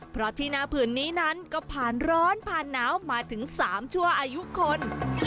เพราะที่หน้าผืนนี้นั้นก็ผ่านร้อนผ่านหนาวมาถึง๓ชั่วอายุคน